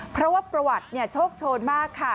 เพราะว่าประวัติโชคโชนมากค่ะ